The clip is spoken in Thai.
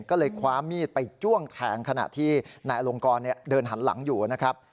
ก็เลยคว้ามีดไปจ้วงแทงขณะที่นายอลงกรเดินหันหลังอยู่นะครับ